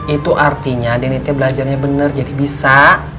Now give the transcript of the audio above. itu artinya deni teteh belajarnya bener jadi bisa